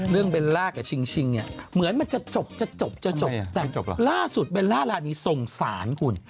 เรื่องเบลล่ากับชิงเนี่ยเหมือนมันจะจบแต่ล่าสุดเบลล่าร้านนี้สงสารคุณ